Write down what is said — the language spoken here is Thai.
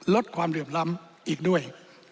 ลดความเหลื่อมล้ำอีกด้วย